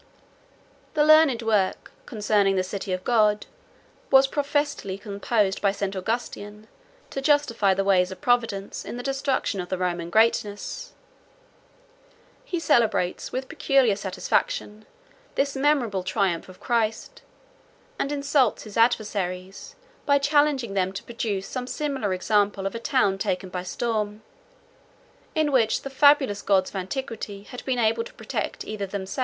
The learned work, concerning the City of God, was professedly composed by St. Augustin, to justify the ways of Providence in the destruction of the Roman greatness. He celebrates, with peculiar satisfaction, this memorable triumph of Christ; and insults his adversaries, by challenging them to produce some similar example of a town taken by storm, in which the fabulous gods of antiquity had been able to protect either themselves or their deluded votaries.